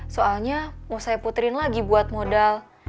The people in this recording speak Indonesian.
soalnya mau saya puterin lagi buat modal